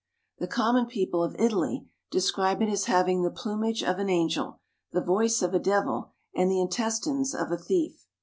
The common people of Italy describe it as having the plumage of an angel, the voice of a devil and the intestines of a thief.